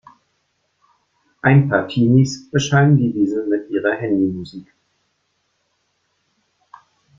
Ein paar Teenies beschallen die Wiese mit ihrer Handymusik.